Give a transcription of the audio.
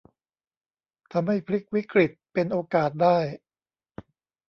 ทำให้พลิกวิกฤตเป็นโอกาสได้